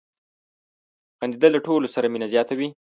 • خندېدل له ټولو سره مینه زیاتوي.